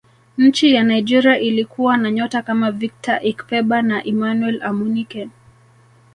nchi ya nigeria ilikuwa na nyota kama victor ikpeba na emmanuel amunike